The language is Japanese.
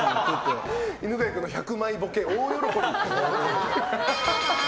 犬飼君の１００枚ボケ大喜び。